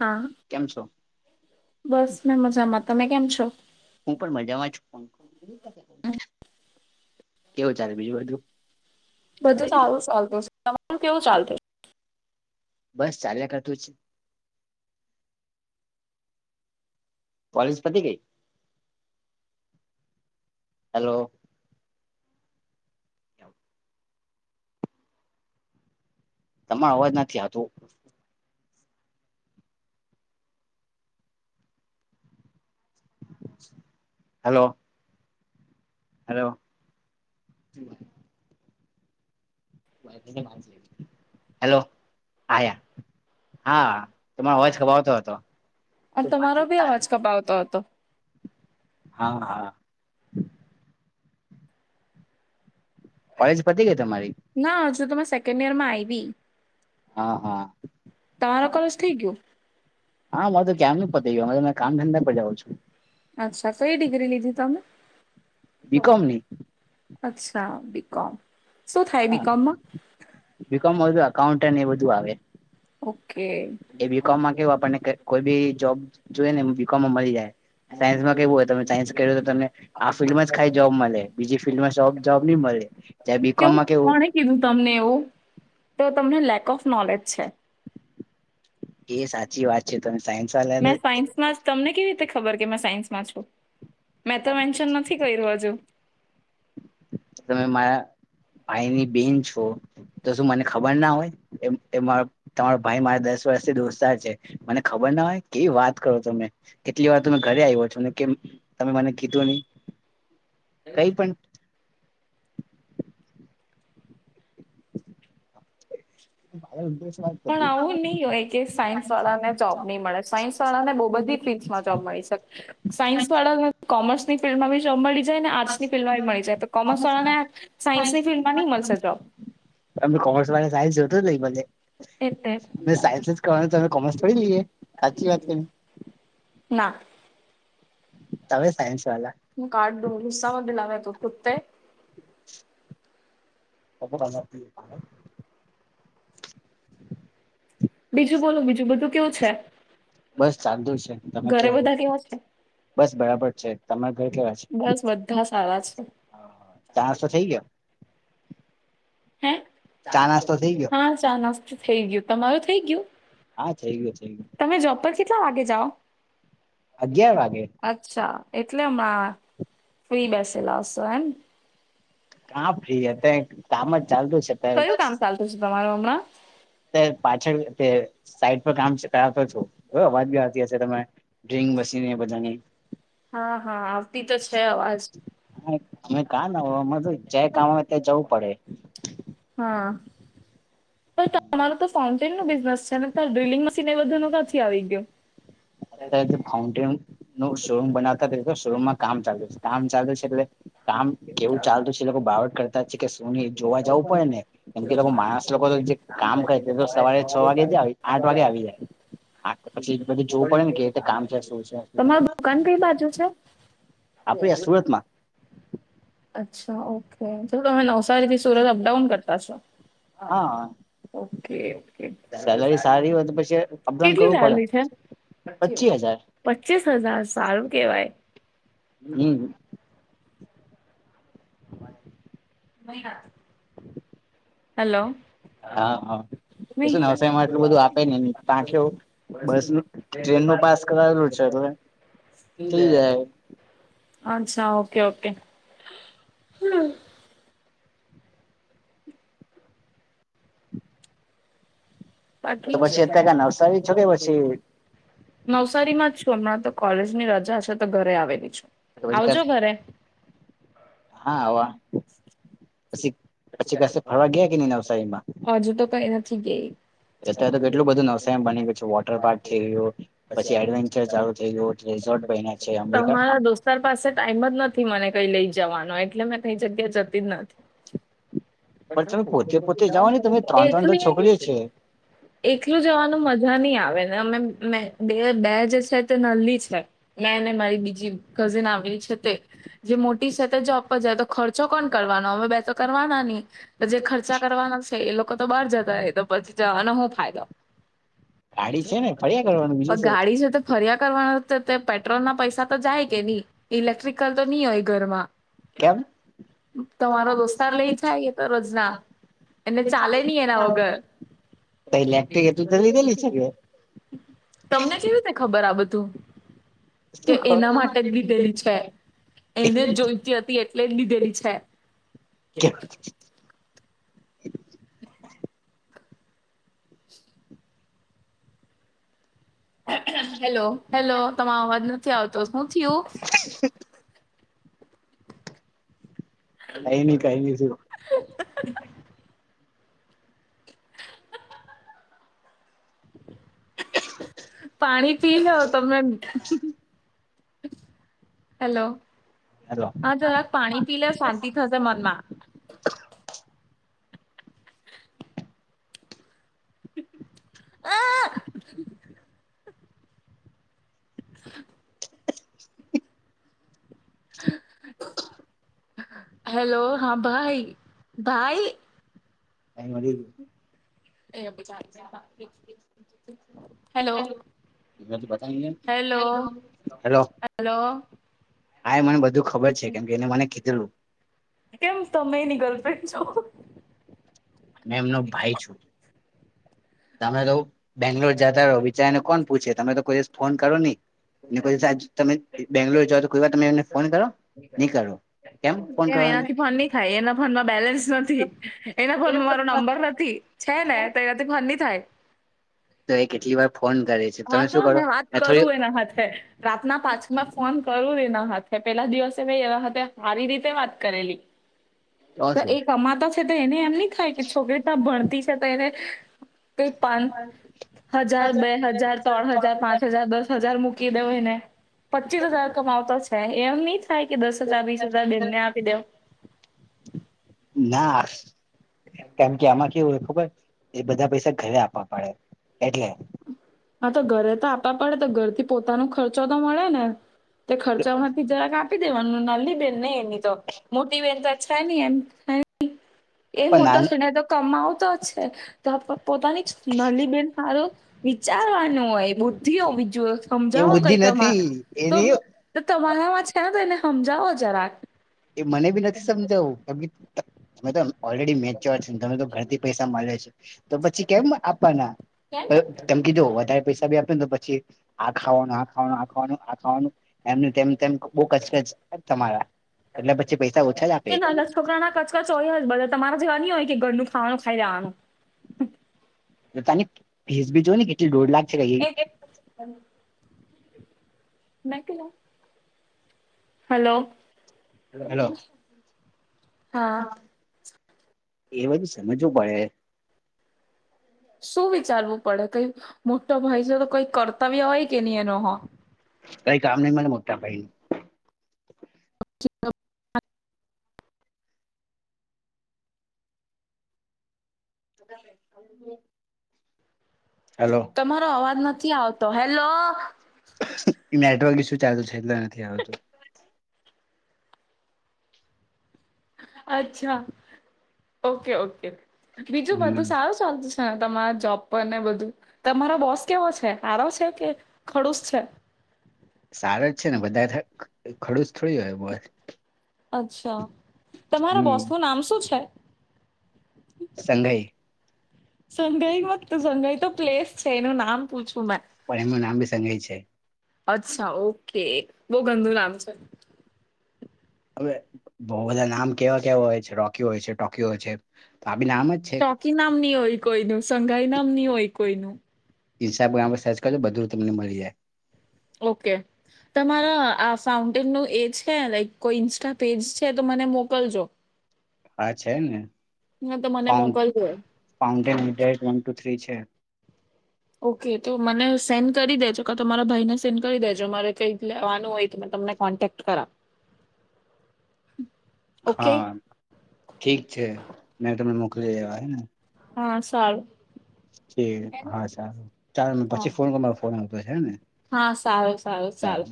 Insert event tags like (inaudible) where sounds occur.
આ. કેમ છો? બસ મેં મજામાં તમે કેમ છો? હું પણ મજામાં છું કેવું ચાલે બીજુ બધું? બધું સારું ચાલતું છે, તમારું કેવું ચાલતું? છે બસ ચાલ્યા કરતું કોલેજ પતી ગય? હાલો. તમાર અવાજ નથી આવતો હાલો. હાલો. (unintelligible) હેલો આયા હા તમારો અવાજ ખબાવતો હતો. બાવતો હતો હા. કોલેજ પતી ગઈ તમારી ના હજુ તમે સેકન્ડ યરમાં આયવી હા હા. તમારો કોલેજ થઈ ગયું હા મારૂ તો કેમ નું પતિ ગીયું હમણાં તો મેં કામ ધંદા પર જાઉં છું અચ્છા કઈ ડિગ્રી લીધી તમે? બી કોમ ની? અચ્છા બીકોમ શું થાય બીકોમમાં? બીકોમ વધું અકાઉન્ટ એ બધું આવે ઓકે. એ બીકોમમાં કેવ આપણને કોઈ બી જોબ જોઈને એ બીકોમમાં મલી જાય સાયન્સમાં કેવુ હોય તમે સાયન્સ કરયું તો તમે આ ફિલ્ડ માં જ ખાલી જોબ મળે બીજી ફિલ્ડમાં જોબ-જોબ નહી મળે જ બી કોમમાં કેવું. કીધું તમને એવું તો તમને લેક ઓફ નોલેજ છે. એ સાચી વાત છે તમે સાયન્સ વાળા તો મેં સાયન્સમાં તમને કેવી રીતે ખબર કે મેં સાયન્સમાં છું મેં તો મેન્શન નથી કર્યું હજુ. તમે મારા ભાઈની બેન છો. તો શું મને ખબર ના હોય એ મારો. તમારો ભાઈ મારા દસ વર્ષથી દોસ્તાર છે મને ખબર ના હોય કેવી વાત કરો તમે. કેટલી વાર તો મેં ઘરે આવ્યો છું ને કે તમે મને કીધું નહી કઈ પણ. ભાઈ ઉપદેશ વાંચ. પણ આવું નહી હોય કે સાયન્સ વાળા ને જોબ નહી મળે સાયન્સ વાળા ને બહુ બધી ફિલ્ડમાં જોબ મળી શકે. સાયન્સવાળા કોમર્સની ફિલ્ડમાં બી જો મળી જાય ને આર્ટસની ફિલ્ડમાં બી મળી જાય તો કોમર્સ વાળા ને સાયન્સની ફિલ્ડમાં નહી મળશે જોબ. અમને કોમર્સ વાળા સાયન્સ જોતો જ નહી ભલે એટલે અ સાયન્સ જ કરવાનું તો. કોમર્સ થોડી લઈએ સાચી વાત કરી ને. ના. તમે સાયન્સ વાલા. હું કાટ દૂંગી ગુસ્સા મત દીલા અબે કુત્તે. (unintelligible) બીજું બોલું બીજું બધું કેવું છે. બસ ચાલતુ છે તમે કેવ ઘરે બધા કેવા છે બસ બરાબર છે તમારે ઘર કેવા છે. બસ બધા સારા છે અ ચા નાસ્તો થઈ ગયો. હ ચા નાસ્તો થઈ ગયો હા ચા નાસ્તો થી થઈ ગયું તમારું થઈ ગયું. હા થઈ ગયો થઈ ગયું. તમે જોબ પર કેટલા વાગે જાઓ. અગિયાર વાગે. અચ્છા એટલે હમણાં ફ્રી બેસેલાા હશો હેને. કા ફ્રી અતારે કામ જ ચાલતું છે અતારે. પછી તમારો હમણાં. અત્યારે પાછળ તે સાઈડ પર કામ છે. ત્યાં તો છું બરોબર અવાજ બી આવતી હશે તમને ડ્રિલ મશીન એ બધાની. હા હા આવતી તો છે અવાજ. હા અમે કા નવરા અમારે તો જ્યાં કામ આવે ત્યાં જવું પડે. હા. પણ તમારું તો ફાઉન્ટેન નું બિઝનેસ છે ને ડ્રિલિંગ મશીન એ બધું નું નથી આવી ગયું. અત્યારે જે ફાઉન્ટેનનુ શોરૂમ બનાવતા તો શોરૂમમાં કામ ચાલુ છે કામ ચાલુ છે એટલે. કામ કેવું ચાલતું છે એ લોકો બરાબર કરતા છે કે શું ને જોવા જવું પડે ને એમ કે લોકો માણસ લોકો તો જે કામ કરે તે તો સવારે છ વાગે જ આવી આઠ વાગે આવી જાય આ પછી બધી જો પડે કે કામ છે શું છે. કઇ બાજુ છે. આપડે આ સુરતમાં. અચ્છા ઓકે શું તમે નવસારીથી સુરત અપડાઉન કરતા છો. હા. ઓકે કેટલી સેલરી સારી હોય તો પછી અપડાઉન કરવું પડે સેલરી છે. પચી હજાર પચીસ હજાર સારું કેવાય. હમ મહિના. હલો. હા હા. એ શું નવસારીમા આટલું બધું આપે ને તાં કેવું બસનું ટ્રેનનું પાસ. કરાયેલું છે એટલે થઈ જાય. અછા ઓકે ઓકે. તો બાકી પછી અત્યારે ક નવસારી છો કે પછી નવસારી માં જ છું હમણાં તો કોલેજની રજા હશે તો ઘરે આવેલી છું તો આવજો પછી ઘરે હા હ પછી પછી પાસે ફરવા ગયા કે નઈ નવસારી માં હજુ તો કઈ નથી ગ અત્યારે તો કેટલું બધું નવસમ બની ગય છે વોટર પાર્ક થઈ ગયું પછી એડવેન્ચર ચાલુ થઈ ગયું રિસોર્ટ બને છે અંબિકા તમારા દોસ્તાર પાસે ટાઈમ જ નથી મને કઈ લઈ જવાનો એટલે મેં કઈ જગ્યા જતી જ નથી પણ તમે પોતે પોતે જાઓ ને તમે ત્રણ ત્રણ તો છોકરીઓ છે એકલું જવાનું મજા ઘણી આવે ને અમે બે બે જે છે તે નનલી છે નાઈ નાઈ બીજી બીજી કઝિન આવેલી છે તે જે મોટી સાથેત જોબ પર જાય તો ખર્ચો કોણ કરવાનો હવે બે તો કરવાના નહી જે ખર્ચા કરવાના છે એ લોકો તો બહાર જતા હ તો પછી જવાનો હ ફાયદો ગાડી છે ને ફર્યા કરવાનું બીજું શું. ગાડી છે તો ફરિયા કરવાના પેટ્રોલ ના પૈસા તો જાય કે નહી ઇલેક્ટ્રિકલ તો નહી હોય ઘરમાં કેમ તમારા દોસ્ત લઈ જાય તો રોજના એને ચાલે નહી એના વગર તો ઇલેક્ટ્રિક એટલી તો લીધેલી છે કે તમને કેવુ ને ખબર આ બધું કે શું એના માટે જ લીધેલી છે એને જ જોઈતી હતી એટલે જ લીધેલી છે કે હેલો હેલો તરો અવાજ નથી આવતો શું થયું (inaudible) હૈની કઈ ની થયું (inaudible) પાણી પી લો તમમે હેલો હેલો હા જરાક પાણી પી લે શાંતિ થશે મનમાં આ! હેલો હા ભાઈ ભાઈ હ મળીયુ હેલો હેલો હેલો હા એ મને બધું ખબર છે કેમ કે એને મને કીધેલું. કેમ તમે એ ની ગર્લફ્રેન્ડ છો. મે એમનો ભાઈ છું. તમે તો બેંગ્લોર જતા રહો બિચારાને કોણ પૂછે તમે તો કોઈ દિવસ ફોન કરો નહી. અને કોઈિવ તમે બેંગ્લોર જાઓ તો કોઈ વાર તમે એમને ફોન કરો નહી કરો. ફોન કેમ કરવાનો એનાથી ફોન નહી ખાય એના ફોનમાં બેલેન્સ નથી એના ફોનમાં મારો નંબર નથી? છે ને તો એનાથી ફની થાય? તો એ કેટલી વાર ફોન કરે. છે હા તમે તો શું કરો મેં વાત થોડી કરું એના હથે. રાતના પાછમાં ફોન કરું એના હથે પેલા દિવસે મે એવા હતા સારી રીતે વાત કરેલી. (inaudible) તો શું એ કમાતો છે તો એને એમ નહી થાય કે છોકરી ત ભણતી છે તો એને કઈ પાચ હજાર બે હજ હજાર ત્રણ હજાર પાંચ હજાર દસ હજાર મૂકી દવ એને. પચીસ હજાર કમાવતો છે એમ નહી થાય કે દસ હજાર બીસ હજાર બેનને આપી દેવ. ના કેમ કે આમાં કેવું હોય ખબર? એ બધા પૈસા ઘરે આપવા પડે એટલે. હા તો ઘરે તો આપવા પડે તો ઘર થી પોતાનો ખર્ચો તો મળે ને ખર્ચામાંથી જરાક આપી દેવાનું નાલી બેન નહી એની તો મોટી બેહેન તો ચ્છે ન એમ થ એ મોટો પણ ના, શને તો કમ આવતો જ છે, તો પોતાની નલીબેન સારો વિચારવાનું હોય બુદ્ધિ ઓવી બીજું એ સમજાવો બુદ્ધિ કઈ નથી તમારે તો એની તો તમારામાં છેને, તો એને સમજાવો જરાક એ મને બી નથી સમજાવુ તમે તો ઓલરેડી મેચોર તમે તો ઘરથી પૈસા મલે છો તો પછી કેમ આપવાના કેમ તેમ કીજો વધારે પૈસા ભી આપે ને તો પછી આ ખાવાનું આ ખાવાનું આ ખાવાનું આ ખાવાનું એમનું તેમ તેમ બહ કચકચ તમારા એટલે પછી પૈસા ઓછા જ આપે તે નાનો છ. છોકરા ના કચકાચ હોય હ જ બધા તમારે જેવા ન હોય કે ઘરનું ખાવાનું ખાઈ લેવાનુ તાની ફીસ ભી જોય ને કેટલી દોઢ લાખ છે એ કઈ મેકેલા હેલો હા એ બધું સમજવું પડે શું વિચારવું પડે કઈ મોટો ભાઈ છે, તો કઈ કર્તવ્ય હોય કે નહી એનો હો. કઈ કામ નહી મને મોટા ભાઈ (unintelligible) હેલો તમારો અવાજ નથી આવતો હેલો. નેટવર્ક ઇશું ચાલુ છે, એટલ નથી આવતુ અચ્છા ઓકે ઓકે બીજું હમ બધું સાવ ચ છે તમારે જોપર ને બધુ તમારો બોસ કેવો છે, આરો છે કે ખડુસ છે. સારા જ છે ને બધા ખડું જ થોડીું હોય બહ અચ્છા તમારા હમ બોસ નું નામ શું છે. સંઘય સંઘાઈમાં સંઘાઈ તો પ્લેસ છે, એનું નામ પૂછવું મે પણ એમનું નામ ભી સંગે છે. અચ્છા ઓકે બહ ગધુ નામ છે. હવે બઉ બધા નામ કેવા કેવા હોય છે રોકી હોય છે ટોકીયો હોય છે, તો આ બી નામ જ છે. એનામની હોય કોઈ ન સઘાઈ નામની હોય કોઈનુ ઇન્સ્ટાગુગ્રામ પર સર્ચ કરો બધું તમને મળી જાય. ઓકે તમારા આ ફાઉન્ટેન નું એ છે, લક કોઈ ઇન્સ્ટા પેજ છે તો મને મોકલજો હા છે ને ના તો મને મોકલજો ફાઉન્ટેનેટ વન ટુ થ્રી છે. ઓકે તો મને સેન્ડ કરી દેજો ક તમારા ભાઈ ને સેન્ડ કરી દેજો મારે કઈ લેવાનું હોય તો તમને કોન્ટેક્ટ કર (inaudible) હમ હા ઠીક છે મેં તમને મોકલી દેવા હેને હા સારુ હા સાર ચાલ મ પછી ફોન કરરો ફોન આવતો છે હને હા સારુ સારુ સારુ